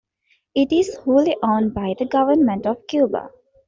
It is wholly owned by the government of Cuba.